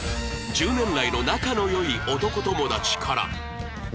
１０年来の仲の良い男友達から